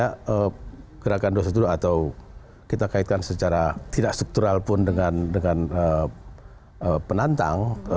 karena gerakan dua ratus dua belas atau kita kaitkan secara tidak struktural pun dengan penantang